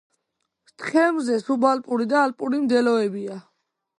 თხემზე სუბალპური და ალპური მდელოებია.